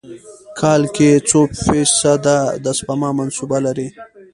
کال کې څو فیص ده د سپما منصوبه لرئ؟